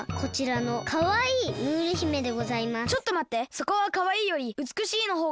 そこは「かわいい」より「うつくしい」のほうがよくない？